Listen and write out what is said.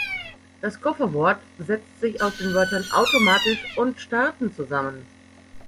Das Kofferwort setzt sich aus den Wörtern "Automatisch" und "Starten" zusammen.